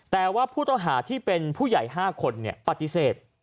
แต่ว่าผู้ต้องหาที่เป็นผู้ใหญ่๕คนปฏิเสธ